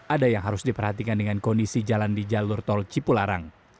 ada yang harus diperhatikan dengan kondisi jalan di jalur tol cipularang